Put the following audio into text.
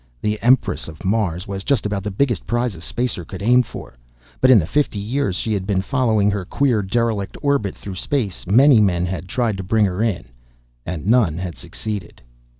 The Empress of Mars was just about the biggest prize a spacer could aim for. But in the fifty years she had been following her queer derelict orbit through space many men had tried to bring her in and none had succeeded.